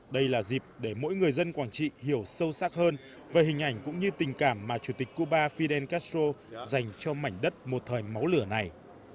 đây là dịp để mỗi người dân quảng trị hiểu sâu sắc hơn về hình ảnh cũng như tình cảm mà chủ tịch cuba fidel castro dành cho mảnh đất một thời máu lửa này